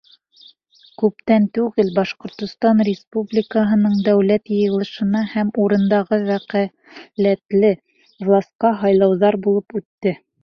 Күптән түгел Башҡортостан Республикаһының Дәүләт Йыйылышына һәм урындағы вәкәләтле власҡа һайлауҙар булып үтте.